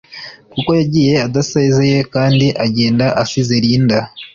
kuko yagiye adasazeye kandi agenda asize Linda